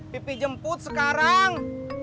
pipi jemput sekarang